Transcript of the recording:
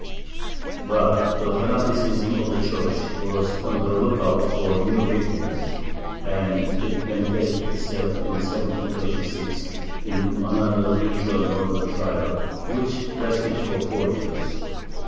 But the fanaticism of the Church was on the lookout for new victims, and it manifested itself in 1736 in another ritual murder trial, which lasted for four years.